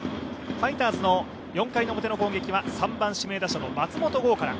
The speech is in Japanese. ファイターズの４回表の攻撃は３番指名打者の松本剛から。